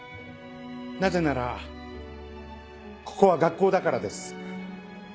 なぜならここは学校だからです。